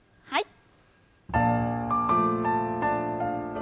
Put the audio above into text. はい。